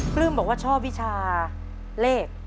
ปลื้มบอกว่าชอบวิชาเลข